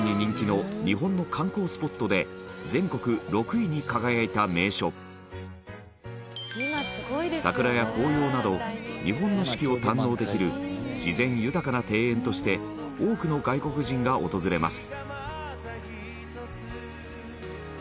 外国人に人気の日本の観光スポットで全国６位に輝いた名所桜や紅葉など日本の四季を堪能できる自然豊かな庭園として多くの外国人が訪れます